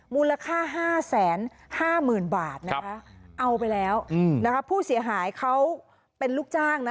มูลค่า๕๕๐๐๐บาทนะคะเอาไปแล้วนะคะผู้เสียหายเขาเป็นลูกจ้างนะ